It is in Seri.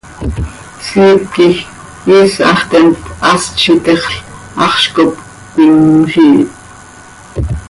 Siip quij iisax theemt, hast z itexl, haxz cop cöimjiit.